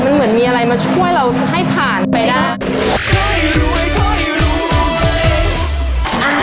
มันเหมือนมีอะไรมาช่วยเราให้ผ่านไปได้